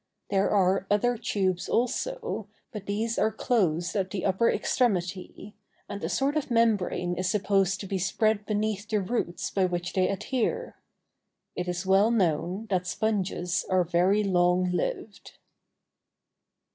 There are other tubes also, but these are closed at the upper extremity; and a sort of membrane is supposed to be spread beneath the roots by which they adhere. It is well known that sponges are very long lived.